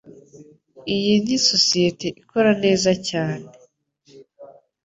Iyi ni sosiyete ikora neza cyane.